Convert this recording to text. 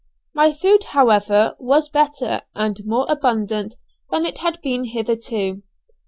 My food, however, was better and more abundant than it had been hitherto.